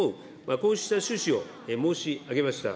こうした趣旨を申し上げました。